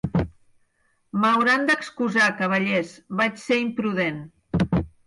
M'hauran d'excusar, cavallers; vaig ser imprudent.